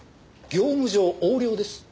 業務上横領です。